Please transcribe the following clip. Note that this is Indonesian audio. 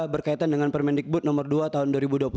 berkaitan dengan permendikbud nomor dua tahun dua ribu dua puluh satu